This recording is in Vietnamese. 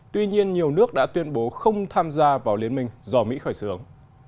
tuy nhiên nhiều nước đã tuyên bố không tham gia vào liên minh do mỹ khởi xướng